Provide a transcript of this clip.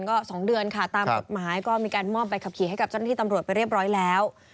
ก็๒เดือนค่ะตามกฎหมายก็มีการมอบใบขับขี่ให้กับเจ้าหน้าที่ตำรวจไปเรียบร้อยแล้ว